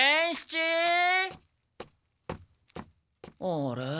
あれ？